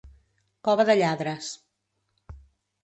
Cova de lladres.